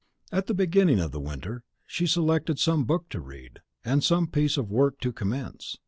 At the beginning of the winter she selected some book to read, and some piece of work to commence.